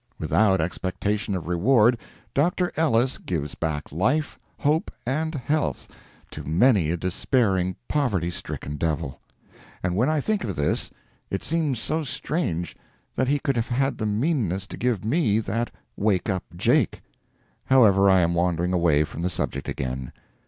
Without expectation of reward, Dr. Ellis gives back life, hope and health to many a despairing, poverty stricken devil; and when I think of this, it seems so strange that he could have had the meanness to give me that "Wake up Jake." However, I am wandering away from the subject again.